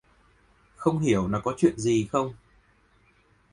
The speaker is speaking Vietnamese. Không hiểu là có chuyện gì không